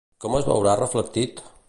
Com es veurà reflectit?